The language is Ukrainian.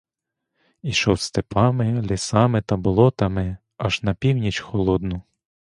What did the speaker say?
Ішов степами, лісами та болотами аж на північ холодну.